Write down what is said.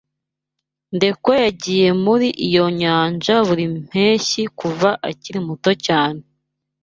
Ndekwe yagiye muri iyo nyanja buri mpeshyi kuva akiri muto cyane.